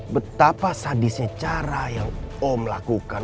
betapa sadisnya cara yang om lakukan